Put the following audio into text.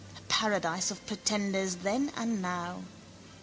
Paradise of pretenders then and now.